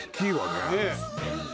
「ねえ！」